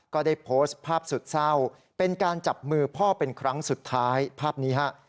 ก็ได้โพสต์ภาพสุดเศร้าเป็นการจับมือพ่อเป็นครั้งสุดท้ายภาพนี้ฮะ